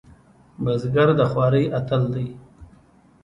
بزګر د خوارۍ اتل دی